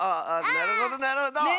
なるほどなるほど。ね。